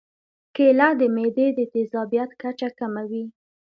کېله د معدې د تیزابیت کچه کموي.